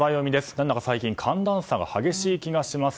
何だか最近、寒暖差が激しい気がします。